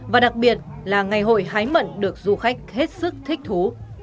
và đặc biệt là ngày hội hái mận được du khách hết sức thích thú